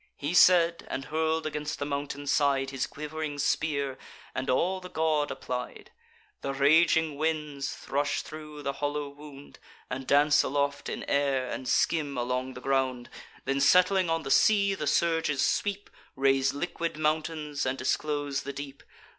He said, and hurl'd against the mountain side His quiv'ring spear, and all the god applied. The raging winds rush thro' the hollow wound, And dance aloft in air, and skim along the ground; Then, settling on the sea, the surges sweep, Raise liquid mountains, and disclose the deep.